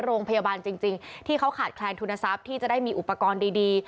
โรงพยาบาลจริงที่เขาขาดแคลนทุนทรัพย์ที่จะได้มีอุปกรณ์ดี